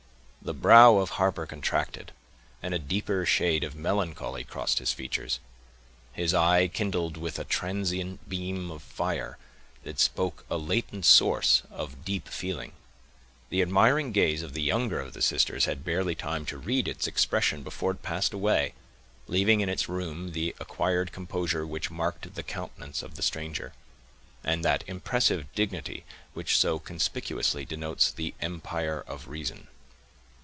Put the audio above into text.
The brow of Harper contracted, and a deeper shade of melancholy crossed his features; his eye kindled with a transient beam of fire, that spoke a latent source of deep feeling. The admiring gaze of the younger of the sisters had barely time to read its expression, before it passed away, leaving in its room the acquired composure which marked the countenance of the stranger, and that impressive dignity which so conspicuously denotes the empire of reason.